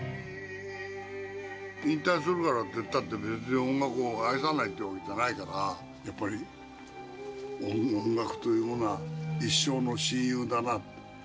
引退するからっていったって、言ったって、別に音楽を愛さないというわけじゃないから、やっぱり音楽というものは一生の親友だなって。